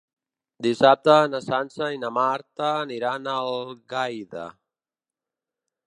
Dissabte na Sança i na Marta aniran a Algaida.